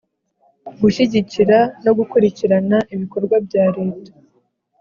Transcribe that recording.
gushyigikira no gukurikirana ibikorwa bya leta